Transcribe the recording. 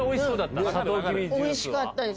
あれおいしかったです